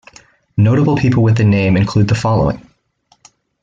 Notable people with the name include the following.